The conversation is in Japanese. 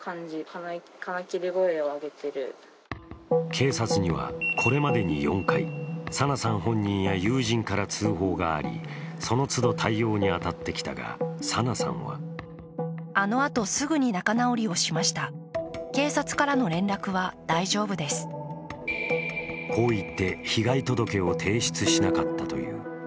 警察にはこれまでに４回、紗菜さん本人や友人から通報がありその都度対応に当たってきたが紗菜さんはこう言って被害届を提出しなかったという。